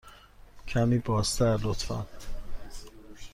کمی بازتر، لطفاً.